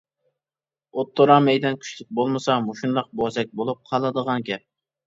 ئوتتۇرا مەيدان كۈچلۈك بولمىسا مۇشۇنداق بوزەك بولۇپ قالىدىغان گەپ.